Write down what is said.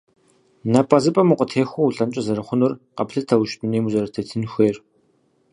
Напӏэзыпӏэм укъытехуэу улӏэнкӏэ зэрыхъунур къэплъытэущ дунейм узэрытетын хуейр.